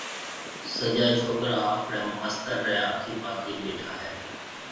سجا ڇوڪرا آپريَ ماستر ريَ آکِي پاکِي ٻيٺا هيَ۔